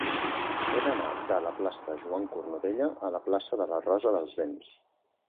He d'anar de la plaça de Joan Cornudella a la plaça de la Rosa dels Vents.